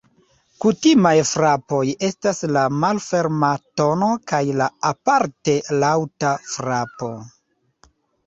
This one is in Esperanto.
Kutimaj frapoj estas la malferma tono kaj la aparte laŭta frapo.